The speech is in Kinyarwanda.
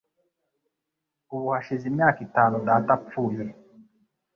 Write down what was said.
Ubu hashize imyaka itanu data apfuye.